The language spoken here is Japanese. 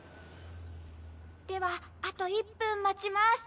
ではあと１分待ちます。